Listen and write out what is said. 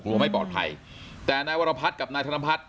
กลัวไม่ปลอดภัยแต่นายวรพัดกับนายธนพัด